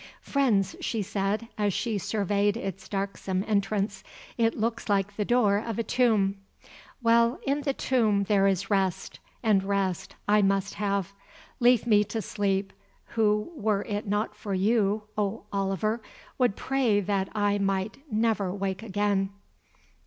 "Friends," she said, as she surveyed its darksome entrance, "it looks like the door of a tomb. Well, in the tomb there is rest, and rest I must have. Leave me to sleep, who, were it not for you, O Oliver, would pray that I might never wake again.